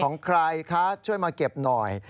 ของใครคะช่วยมาเก็บหน่อย